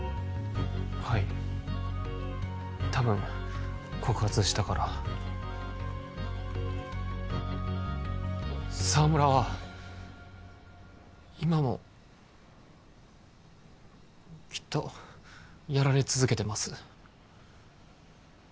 はいたぶん告発したから沢村は今もきっとやられ続けてます